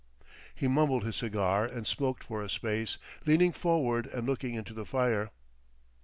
He mumbled his cigar and smoked for a space, leaning forward and looking into the fire.